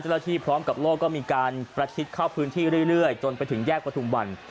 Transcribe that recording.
ที่พร้อมกับโลกก็มีการประชิดเข้าพื้นที่เรื่อยจนไปถึงแยกประทุมวัน